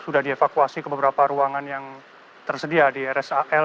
sudah dievakuasi ke beberapa ruangan yang tersedia di rsal